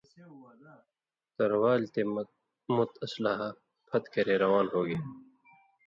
تروالیۡ تے مُت اسلحہ پھت کرے روان ہُوگے؛